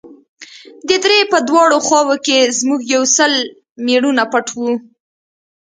د درې په دواړو خواوو کښې زموږ يو سل مېړونه پټ وو.